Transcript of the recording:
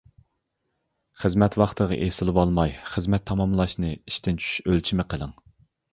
خىزمەت ۋاقتىغا ئېسىلىۋالماي، خىزمەت تاماملاشنى ئىشتىن چۈشۈش ئۆلچىمى قىلىڭ.